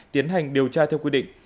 tiến hành điều tra theo quy định